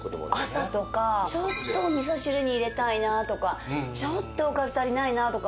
朝とかちょっとお味噌汁に入れたいなとかちょっとおかず足りないなとか。